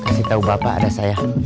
kasih tahu bapak ada saya